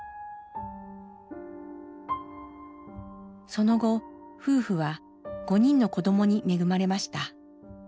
その後夫婦は５人の子どもに恵まれました。